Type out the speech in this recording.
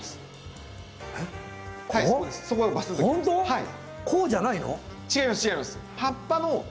はい。